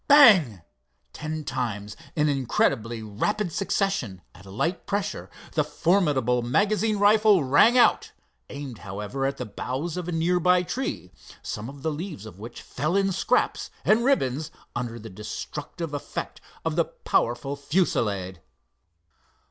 Bang! ten times in incredibly rapid succession at a light pressure the formidable magazine rifle rang out, aimed, however, at the boughs of a nearby tree, some of the leaves of which fell in scraps and ribbands under the destructive effect of the powerful fusillade.